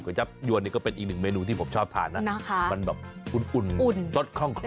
จับยวนนี่ก็เป็นอีกหนึ่งเมนูที่ผมชอบทานนะมันแบบอุ่นสดคล่องคล